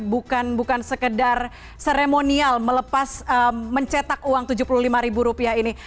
bukan bukan sekedar seremonial melepas mencetak uang rp tujuh puluh lima ini